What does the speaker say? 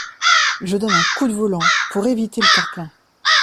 Je donne un coup de volant pour éviter le terre-plein.